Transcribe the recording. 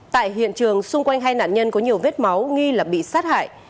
tại hiện trường xung quanh hai nạn nhân có nhiều vết máu nghi là bị sát hại